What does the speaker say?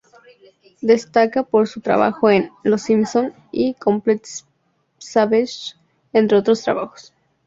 Destaca por su trabajo en "Los Simpson" y "Complete Savages" entre otros trabajos.